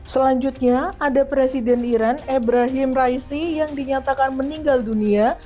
selanjutnya ada presiden iran ebrahim raishi yang dinyatakan meninggal dunia